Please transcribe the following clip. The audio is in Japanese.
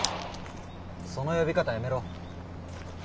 その呼び方やめろ。